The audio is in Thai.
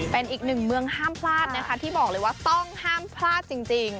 เป็นอีกหนึ่งเมืองห้ามพลาดนะคะที่บอกเลยว่าต้องห้ามพลาดจริง